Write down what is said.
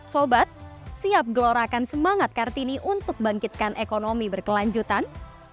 sobat siap gelorakan semangat kartini untuk bangkitkan ekonomi berkelanjutan